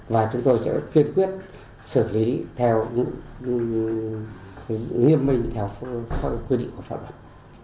và chúng tôi sẽ kiên quyết xử lý theo nghiêm minh theo quy định của pháp luật